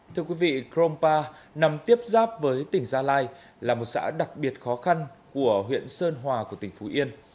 thưa quý vị crompa nằm tiếp giáp với tỉnh gia lai là một xã đặc biệt khó khăn của huyện sơn hòa của tỉnh phú yên